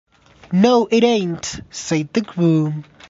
‘No, it ain’t,’ said the groom.